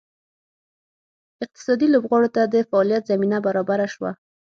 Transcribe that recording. اقتصادي لوبغاړو ته د فعالیت زمینه برابره شوه.